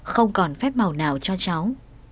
không còn phép màu nào cho cháu